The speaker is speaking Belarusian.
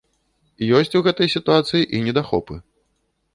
Ёсць у гэтай сітуацыі і недахопы.